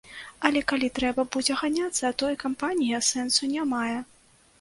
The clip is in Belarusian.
Але калі трэба будзе ганяцца, то і кампанія сэнсу не мае.